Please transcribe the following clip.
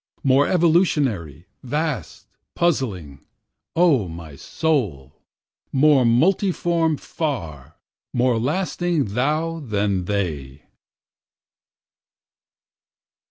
More evolutionary, vast, puzzling, O my soul! More multiform far more lasting thou than they.